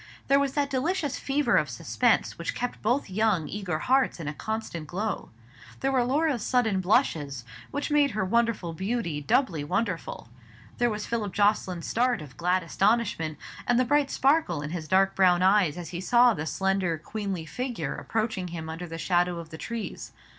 There was that delicious fever of suspense which kept both young eager hearts in a constant glow. There were Laura's sudden blushes, which made her wonderful beauty doubly wonderful. There was Philip Jocelyn's start of glad astonishment, and the bright sparkle in his dark brown eyes as he saw the slender, queenly figure approaching him under the shadow of the trees.